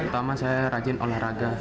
terutama saya rajin olahraga